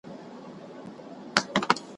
د ځوانۍ په خوب کي تللې وه نشه وه `